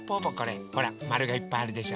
ほらまるがいっぱいあるでしょ。